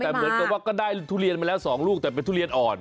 แต่เหมือนกับว่าก็ได้ทุเรียนมาแล้ว๒ลูกแต่เป็นทุเรียนอ่อน